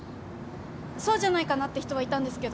そうじゃないかなって人はいたんですけど。